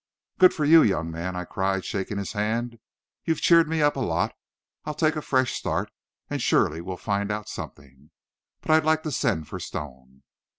"Good for you, young man!" I cried, shaking his hand. "You've cheered me up a lot. I'll take a fresh start, and surely we'll find out something. But I'd like to send for Stone."